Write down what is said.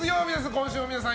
今週も皆さん